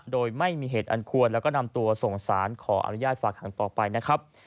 โดยไม่มีเหตุอันควรแล้วก็นำตัวส่งสารขออนุญาตฝากหังต่อไปนะครับ